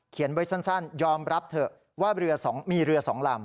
เขียนเบ้ยสั้นยอมรับเถอะว่ามีเรือ๒ลำ